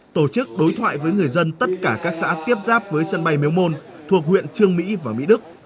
tổ chức đối thoại với người dân tất cả các xã tiếp giáp với sân bay miếu môn thuộc huyện trương mỹ và mỹ đức